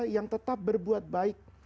yang tetap berbuat baik